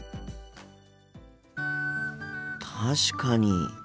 確かに。